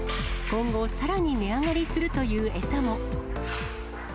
今後、さらに値上がりするという餌も。